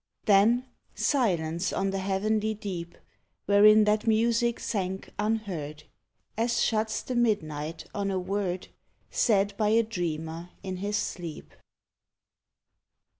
26 "^HE EVJNESCEN'T Then, silence on the heavenly Deep, Wherein that music sank unheard, As shuts the midnight on a word Said by a dreamer in his sleep.